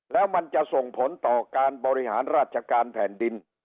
แล้วมันจะส่งผลต่อการบริหารราชการแผ่นดิน